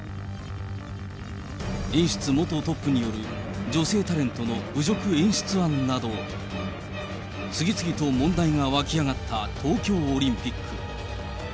演出元トップによる女性タレントの侮辱演出案など、次々と問題が湧き上がった東京オリンピック。